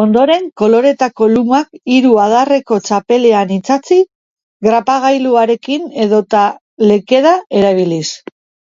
Ondoren, koloretako lumak hiru adarreko txapelean itsatsi grapagailuarekin edota, lekeda erabiliz.